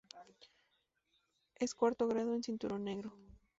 Es cuarto grado en cinturón negro.